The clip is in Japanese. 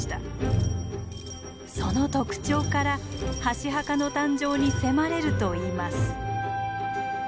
その特徴から箸墓の誕生に迫れるといいます。